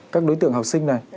các đối tượng học sinh này